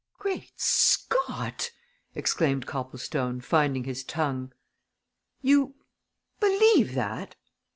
"Great Scott!" exclaimed Copplestone, finding his tongue. "You believe that!"